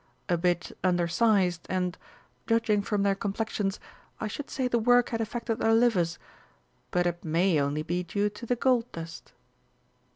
"A bit undersized, and, judging from their complexions, I should say the work had affected their livers. But it may only be due to the gold dust."